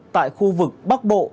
tại khu vực bắc bộ